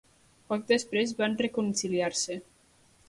Poc després van reconciliar-se.